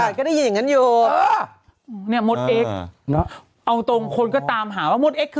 อ้าวก็ได้ยินอย่างนั้นอยู่